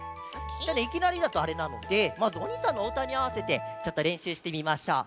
じゃあねいきなりだとあれなのでまずおにいさんのおうたにあわせてちょっとれんしゅうしてみましょう。